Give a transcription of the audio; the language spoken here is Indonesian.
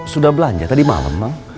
sudah belanja tadi malam bang